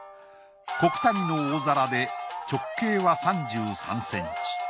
古九谷の大皿で直径は３３ｃｍ。